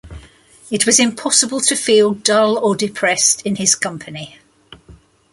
It was impossible to feel dull or depressed in his company.